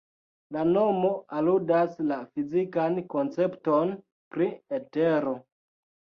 La nomo aludas la fizikan koncepton pri etero.